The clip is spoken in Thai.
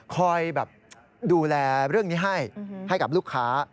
คอยแบบดูแลเรื่องนี้ให้ให้กับลูกค้า